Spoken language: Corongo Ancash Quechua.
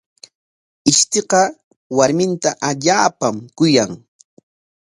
Ishtiqa warminta allaapam kuyan.